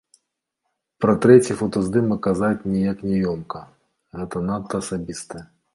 Пра трэці фотаздымак казаць неяк няёмка, гэта надта асабістае.